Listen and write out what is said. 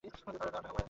টাকা হাতের ময়লা।